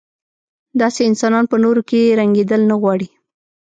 داسې انسانان په نورو کې رنګېدل نه غواړي.